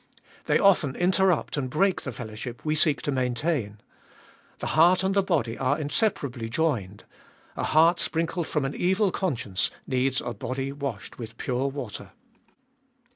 They often interrupt and break the fellowship we seek to maintain. The heart and the body are inseparably joined — a heart sprinkled from an evil con science needs a body washed with pure water.